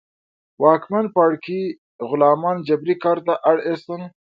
واکمن پاړکي غلامان جبري کار ته اړ اېستل.